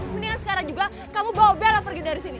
mendingan sekarang juga kamu bawa bella pergi dari sini